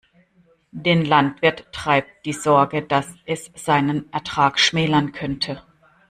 Den Landwirt treibt die Sorge, dass es seinen Ertrag schmälern könnte.